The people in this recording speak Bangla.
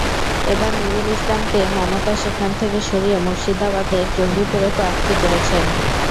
এবার নুরুল ইসলামকে মমতা সেখান থেকে সরিয়ে মুর্শিদাবাদের জঙ্গিপুরে প্রার্থী করেছেন।